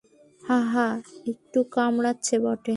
হাঁ হাঁ, একটু কামড়াচ্ছে বটে।